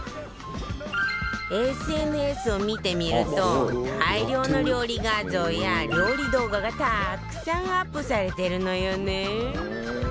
ＳＮＳ を見てみると大量の料理画像や料理動画がたくさんアップされてるのよね